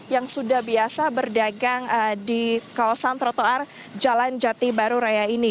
yang sudah biasa berdagang di kawasan trotoar jalan jati baru raya ini